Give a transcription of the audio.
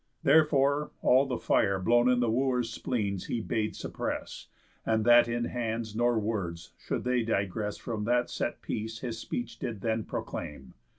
Therefore all the fire Blown in the Wooers' spleens he bade suppress, And that in hands nor words they should digress From that set peace his speech did then proclaim.